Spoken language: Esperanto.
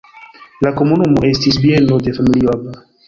La komunumo estis bieno de familio Aba.